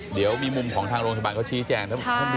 เดี๋ยวมีมุมของทางโรงพยาบาลเขาชี้แจง